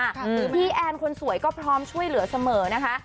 หรือพี่แอนคนสวยก็พร้อมช่วยเหลือเสมอนะคะ